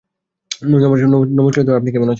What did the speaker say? নমস্কার! আপনি কেমন আছেন?